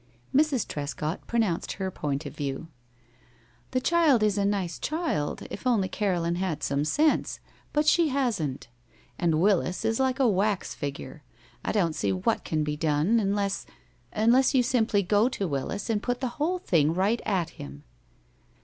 Mrs. Trescott pronounced her point of view: "The child is a nice child, if only Caroline had some sense. But she hasn't. And Willis is like a wax figure. I don't see what can be done, unless unless you simply go to Willis and put the whole thing right at him."